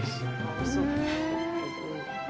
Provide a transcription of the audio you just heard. おいしそう。